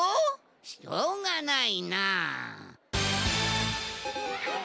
しょうがないなあ。